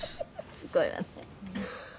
「すごいわね」